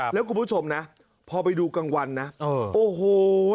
แล้วคุณผู้ชมนะพอไปดูกลางวันนะโอ้โห